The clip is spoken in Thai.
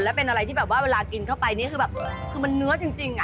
และเป็นอะไรที่เวลากินเข้าไปมันเนื้อจริง